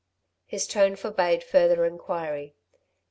His tone forbade further inquiry.